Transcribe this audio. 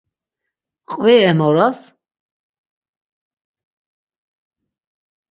Qvi em oras.